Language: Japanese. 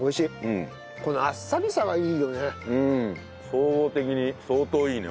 総合的に相当いいね